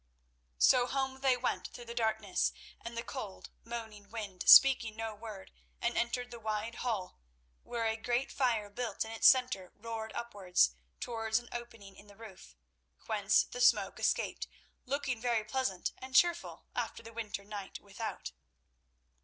So home they went through the darkness and the cold, moaning wind, speaking no word, and entered the wide hall, where a great fire built in its centre roared upwards towards an opening in the roof, whence the smoke escaped, looking very pleasant and cheerful after the winter night without.